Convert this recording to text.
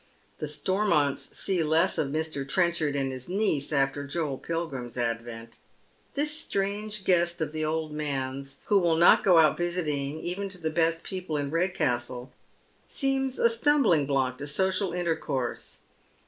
The Stormonts see less of Mr. Trenchard and his niece after Joel Pilgrim's advent. This strange guest of the old man's, wlio will not go out visiting, even to the best people in Redcastle, eeems a etumblingblock to social intercourse.